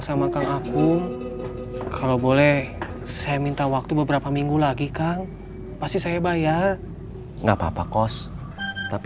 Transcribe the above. sama kang akum kalau boleh saya minta waktu beberapa minggu lagi kang pasti saya bayar nggak papa kos tapi